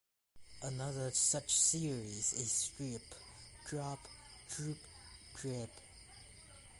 Another such series is "drip" : "drop" : "droop" : "drape".